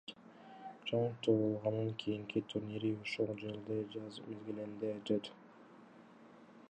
Чоң туулганын кийинки турнири ушул жылдын жаз мезгилинде өтөт.